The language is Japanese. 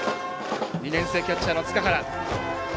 ２年生キャッチャーの塚原。